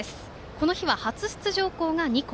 この日は初出場校が２校。